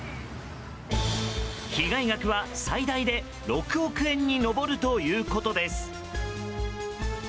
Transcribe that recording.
被害額は最大で６億円に上るということです。